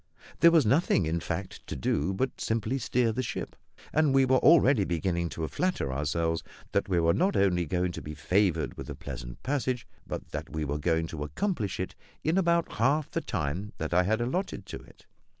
There was nothing, in fact, to do but simply to steer the ship; and we were already beginning to flatter ourselves that we were not only to be favoured with a pleasant passage, but that we were going to accomplish it in about half the time that I had allotted to it.